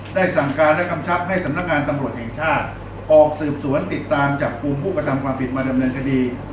สั่งการและกำชับให้สำนักงานตำรวจแห่งชาติออกสืบสวนติดตามจับกลุ่มผู้กระทำความผิดมาดำเนินคดี